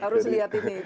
harus lihat ini